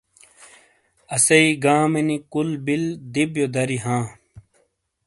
اسئیی گامینی کُل بِل دُبیو دَری ہاں۔